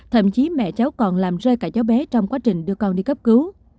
thậm chí mẹ cháu còn làm rơi cả cháu bé trong quá trình đưa con đi cấp cứu